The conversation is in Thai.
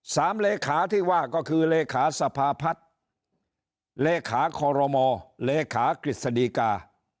เลขาที่ว่าก็คือเลขาสภาพัฒน์เลขาคอรมอเลขากฤษฎีกา